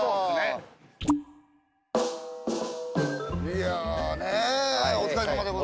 いやねえお疲れさまでございました。